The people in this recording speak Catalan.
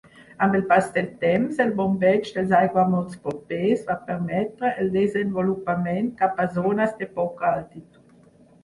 Amb el pas del temps, el bombeig dels aiguamolls propers va permetre el desenvolupament cap a zones de poca altitud.